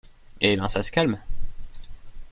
Eh ! ben, ça se calme ?